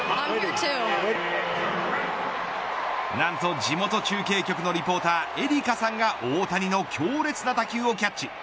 何と地元中継局のリポーターエリカさんが、大谷の強烈な打球をキャッチ。